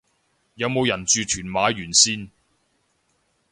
有冇人住屯馬沿線